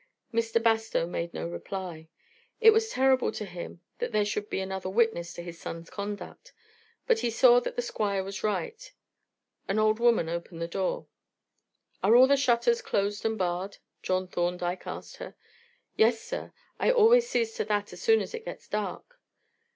Mr. Bastow made no reply. It was terrible to him that there should be another witness to his son's conduct, but he saw that the Squire was right. An old woman opened the door. "Are all the shutters closed and barred?" John Thorndyke asked her. "Yes, sir; I always sees to that as soon as it gets dark."